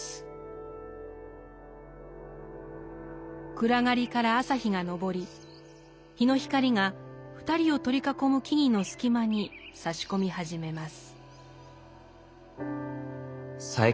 暗がりから朝日が昇り日の光が２人を取り囲む木々の隙間にさし込み始めます。